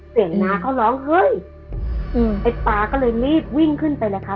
น้าเขาร้องเฮ้ยอืมไอ้ป๊าก็เลยรีบวิ่งขึ้นไปเลยค่ะ